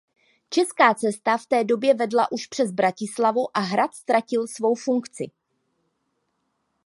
Česká cesta v té době vedla už přes Bratislavu a hrad ztratil svou funkci.